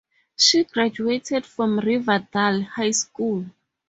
She graduated from Riverdale High School.